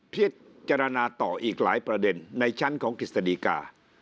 พิจารณาต่ออีกหลายประเด็นในชั้นของกฤษฎีกา